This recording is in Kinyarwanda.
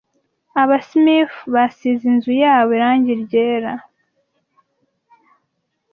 Aba Smiths basize inzu yabo irangi ryera.